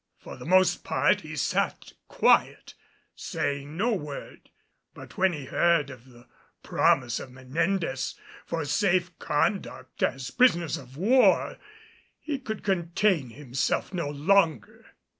For the most part he sat quiet, saying no word; but when he heard of the promise of Menendez for safe conduct as prisoners of war, he could contain himself no longer.